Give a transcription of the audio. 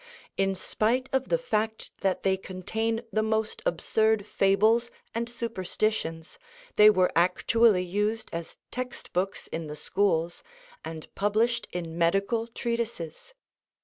In spite of the fact that they contain the most absurd fables and superstitions, they were actually used as text books in the schools, and published in medical treatises.